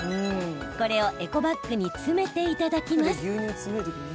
これをエコバッグに詰めていただきます。